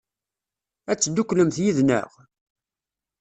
Ad tedduklemt yid-neɣ?